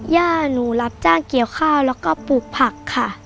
ย่าหนูรับจ้างเกี่ยวข้าวแล้วก็ปลูกผักค่ะ